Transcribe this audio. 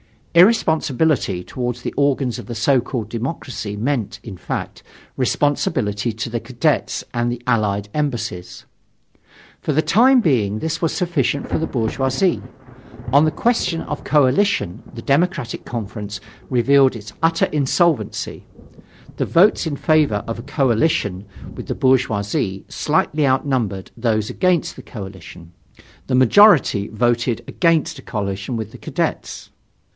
Irresponsibility towards the organs of the so called democracy meant, in fact, responsibility to the Cadets and the Allied Embassies. For the time being this was sufficient for the bourgeoisie. On the question of coalition the Democratic Conference revealed its utter insolvency: the votes in favor of a coalition with the bourgeoisie slightly outnumbered those against the coalition; the majority voted against a coalition with the Cadets.